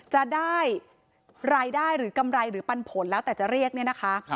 จะได้รายได้หรือกำไรหรือปันผลแล้วแต่จะเรียกเนี่ยนะคะ